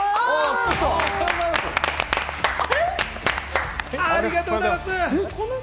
来ありがとうございます。